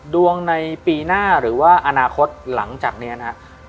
ดวงในปีหน้าหรือว่าอนาคตหลังจากนี้นะครับ